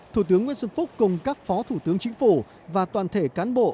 thủ tướng nguyễn xuân phúc cùng các phó thủ tướng chính phủ và toàn thể cán bộ